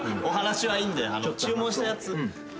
お話はいいんで注文したやつ。